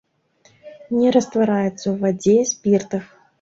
Не раствараецца ў вадзе, спіртах.